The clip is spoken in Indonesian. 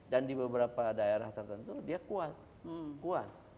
dan di beberapa daerah tertentu dia kuat